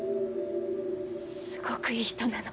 すごくいい人なの。